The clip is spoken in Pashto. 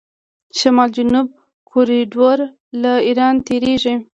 شمال جنوب کوریډور له ایران تیریږي.